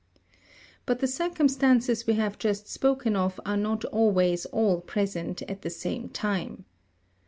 But the circumstances we have just spoken of are not always all present at the same time.